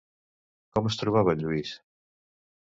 Com es trobava en Lluís?